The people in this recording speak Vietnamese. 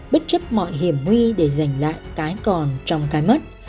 bất chấp mọi hiểm nguy để giành lại cái còn trong cái mất